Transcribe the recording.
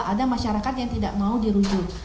ada masyarakat yang tidak mau dirujuk